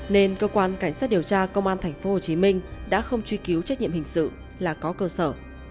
nên cơ quan cảnh sát điều tra công an tp hcm đã không truy cứu trách nhiệm hình sự là có cơ sở